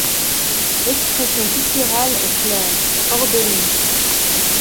L'expression picturale est claire, ordonnée.